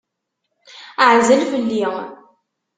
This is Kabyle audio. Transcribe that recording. Ɛzel fell-i!